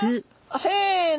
せの！